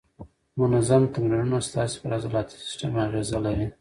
منظم تمرینونه ستاسې پر عضلاتي سیستم اغېزه لري.